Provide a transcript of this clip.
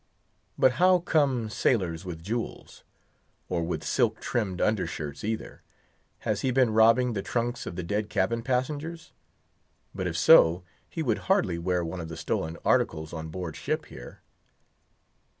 But how come sailors with jewels?—or with silk trimmed under shirts either? Has he been robbing the trunks of the dead cabin passengers? But if so, he would hardly wear one of the stolen articles on board ship here.